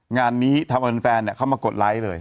งานนี้ทำเป็นแฟนมากดไลค์เลย